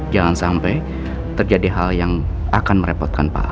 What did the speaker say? jangan sampai terjadi hal yang akan merepotkan pak ahok